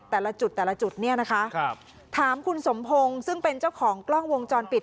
แต่ละจุดแต่ละจุดเนี่ยนะคะครับถามคุณสมพงศ์ซึ่งเป็นเจ้าของกล้องวงจรปิด